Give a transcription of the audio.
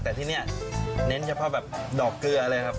แต่ที่นี่เน้นเฉพาะแบบดอกเกลือเลยครับ